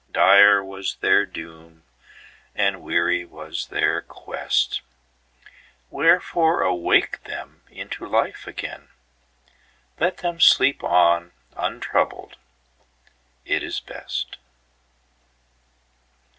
Dire was their doom, and weary was their quest. Wherefore awake them into life again? Let them sleep on untroubled—it is best."